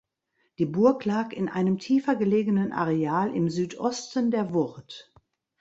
Die Burg lag in einem tiefer gelegenen Areal im Südosten der Wurt.